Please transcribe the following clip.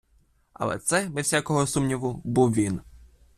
Але це, без всякого сумніву, був він.